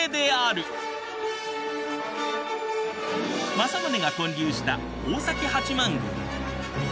政宗が建立した大崎八幡宮。